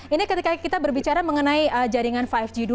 ini ketika kita berbicara mengenai jaringan lima g dua